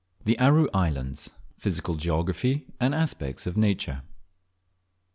THE ARU ISLANDS PHYSICAL GEOGRAPHY AND ASPECTS OF NATURE.